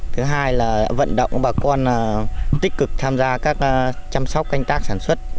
thứ hai là vận động bà con tích cực tham gia các chăm sóc canh tác sản xuất